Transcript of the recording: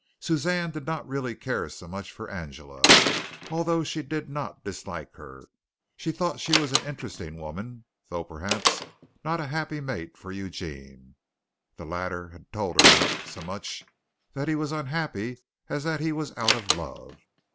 Suzanne did not really care so much for Angela, although she did not dislike her. She thought she was an interesting woman, though perhaps not a happy mate for Eugene. The latter had told her not so much that he was unhappy as that he was out of love.